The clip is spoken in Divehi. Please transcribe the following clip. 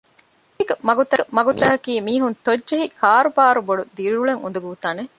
މާލޭގެ މަގުތަކަކީ މީހުން ތޮއްޖެހި ކާރުބާރު ބޮޑު ދިރިއުޅެން އުނދަގޫ ތަނެއް